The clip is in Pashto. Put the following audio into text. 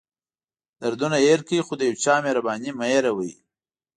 دردونه هېر کړئ خو د یو چا مهرباني مه هېروئ.